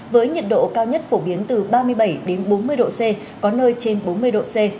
với nhiệt độ cao nhất phổ biến từ ba mươi bảy bốn mươi độ c có nơi trên bốn mươi độ c